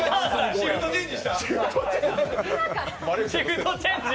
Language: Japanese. シフトチェンジ？